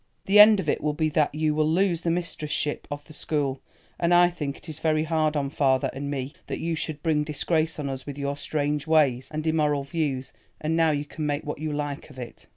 The end of it will be that you will lose the mistresship of the school—and I think it is very hard on father and me that you should bring disgrace on us with your strange ways and immoral views, and now you can make what you like of it."